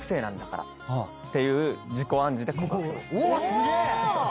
すげえ！